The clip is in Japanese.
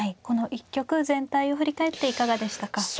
この一局全体を振り返っていかがでしたか。